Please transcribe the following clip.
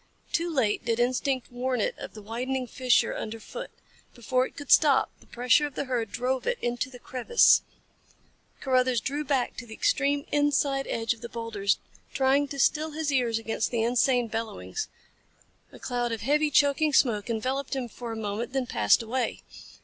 Too late did instinct warn it of the widening fissure underfoot. Before it could stop the pressure of the herd drove it into the crevice. Carruthers drew back to the extreme inside edge of the boulders trying to still his ears against their insane bellowings. A cloud of heavy, choking smoke enveloped him for a moment then passed away.